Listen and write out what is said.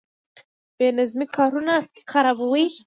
بې نظمي کارونه خرابوي